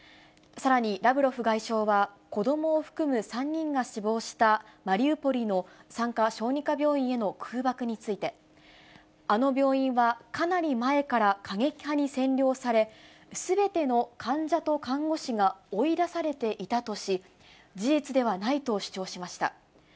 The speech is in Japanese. さらにラブロフ外相は、子どもを含む３人が死亡した、マリウポリの産科・小児科病院への空爆について、あの病院はかなり前から過激派に占領され、すべての患者と看護師が追い出されていたとし、事実ではないと主張しました。